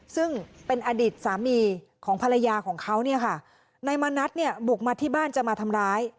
ซึ่งเป็นอดีตสามีของภรรยาของเขาเนี่ยค่ะนายมณัฐเนี่ยบุกมาที่บ้านจะมาทำร้าย